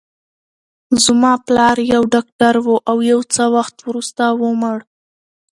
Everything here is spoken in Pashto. زما پلار یو ډاکټر و، او یو څه وخت وروسته ومړ.